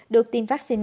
được tiêm vaccine này